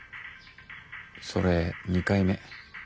それ２回目。